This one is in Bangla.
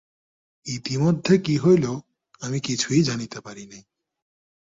ইতিমধ্যে কী হইল আমি কিছুই জানিতে পারি নাই।